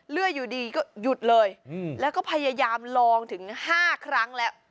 เรื่อยอยู่ดีก็หยุดเลยแล้วก็พยายามลองถึง๕ครั้งแล้ว